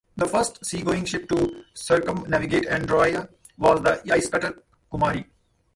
The first seagoing ship to circumnavigate Andoria was the icecutter "Kumari".